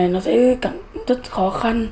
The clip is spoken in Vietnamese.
nó sẽ cảm thấy rất khó khăn